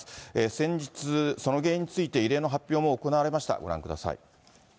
先日、その原因について異例の発表も行われました。